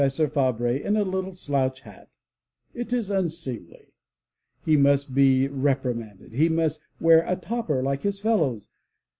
There goes Professor Fabre in a little slouch hat! It is unseemly! He must be repri manded! He must wear a '* topper like his fellows!